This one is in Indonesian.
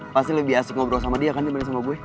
pasti lebih asik ngobrol sama dia kan dibanding sama buy